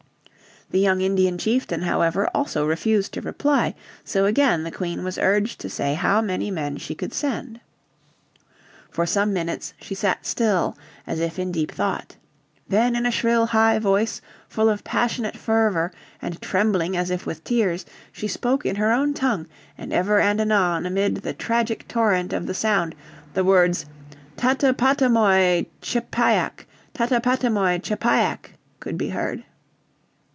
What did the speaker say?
The young Indian chieftain however also refused to reply. So again the Queen was urged to say how many men she could send. For some minutes she sat still, as if in deep thought. Then in a shrill high voice full of passionate fervour, and trembling as if with tears, she spoke in her own tongue, and ever and anon amid the tragic torrent of sound the words "Tatapatamoi chepiack, Tatapatamoi chepiack" could be heard.